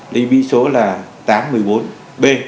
lý vị số là tám trăm một mươi bốn b